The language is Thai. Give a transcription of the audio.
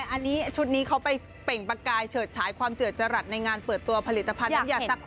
อันนี้ชุดนี้เขาไปเปล่งประกายเฉิดฉายความเจือดจรัสในงานเปิดตัวผลิตภัณฑ์น้ำยาซัก